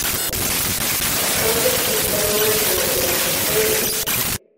The process is similar to electroplating.